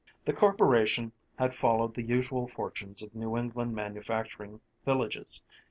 The Corporation had followed the usual fortunes of New England manufacturing villages.